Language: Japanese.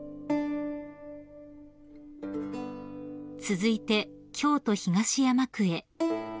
［続いて京都東山区へ］